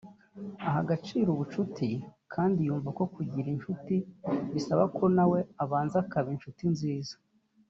Aha agaciro ubucuti kandi yumva ko kugira incuti bisaba ko nawe ubanza ukaba incuti nziza